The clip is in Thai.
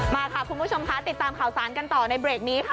มาค่ะคุณผู้ชมค่ะติดตามข่าวสารกันต่อในเบรกนี้ค่ะ